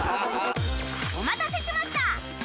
お待たせしました！